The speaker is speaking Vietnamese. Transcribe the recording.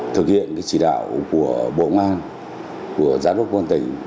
thực hiện chỉ đạo của bộ ngoan của giám đốc quân tỉnh